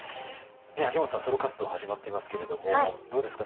秋元さんソロ活動始まっていますけれどもどうですか？